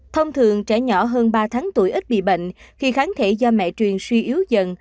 thông thường trẻ nhỏ hơn ba tháng tuổi ít bị bệnh khi kháng thể do mẹ truyền suy yếu dần